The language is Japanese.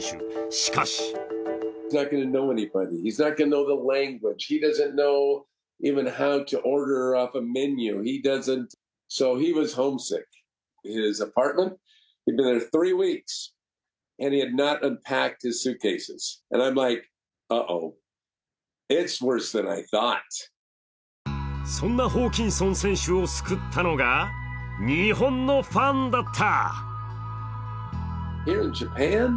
しかしそんなホーキンソン選手を救ったのが日本のファンだった。